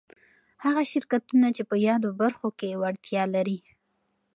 هغه شرکتونه چي په يادو برخو کي وړتيا ولري